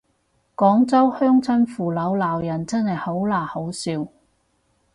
廣州鄉親父老鬧人真係好嗱好笑